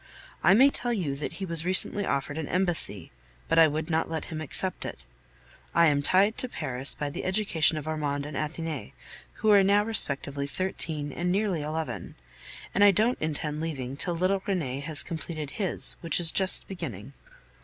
I may tell you that he was recently offered an embassy, but I would not let him accept it. I am tied to Paris by the education of Armand and Athenais who are now respectively thirteen and nearly eleven and I don't intend leaving till little Rene has completed his, which is just beginning.